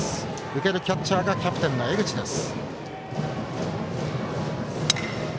受けるキャッチャーがキャプテンの江口です。